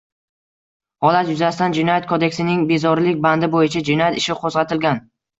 Holat yuzasidan Jinoyat kodeksining “bezorilik” bandi bo‘yicha jinoyat ishi qo‘zg‘atilgan